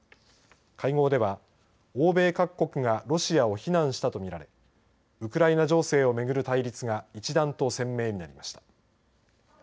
会合では欧米各国がロシアを非難したと見られウクライナ情勢を巡る対立が一段と鮮明になりました。